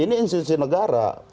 ini institusi negara